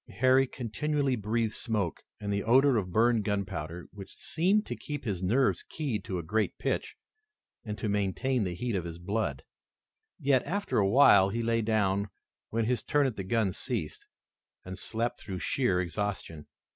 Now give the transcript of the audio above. Harry continually breathed smoke and the odor of burned gunpowder, which seemed to keep his nerves keyed to a great pitch, and to maintain the heat of his blood. Yet, after a while, he lay down, when his turn at the guns ceased, and slept through sheer exhaustion.